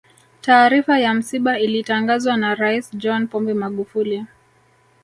taarifa ya msiba ilitangazwa na rais john pombe magufuli